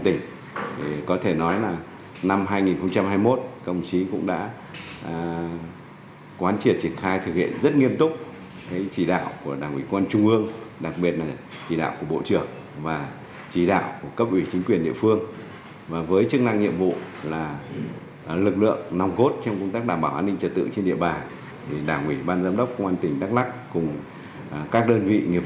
trong năm hai nghìn hai mươi một công an tỉnh đắk lắc đã tăng cường xây dựng các mặt công tác nghiệp vụ bảo đảm ổn định tình hình an ninh chính trị